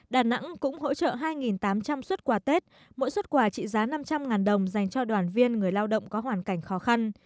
đà nẵng cũng hỗ trợ hai tám trăm linh xuất quà tết mỗi xuất quà trị giá năm trăm linh đồng dành cho đoàn viên người lao động có hoàn cảnh khó khăn